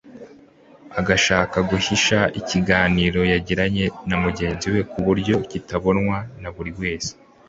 agashaka guhisha ikiganiro yagiranye na mugenzi we kuburyo kitabonwa na buri wese